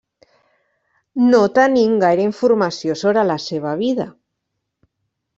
No tenim gaire informació sobre la seva vida.